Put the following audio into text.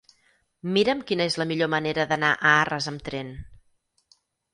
Mira'm quina és la millor manera d'anar a Arres amb tren.